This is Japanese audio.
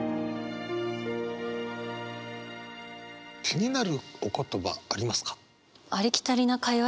気になるお言葉ありますか？